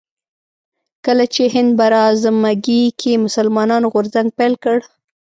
کله چې هند براعظمګي کې مسلمانانو غورځنګ پيل کړ